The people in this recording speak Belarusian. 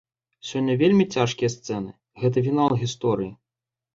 Сёння вельмі цяжкія сцэны, гэта фінал гісторыі.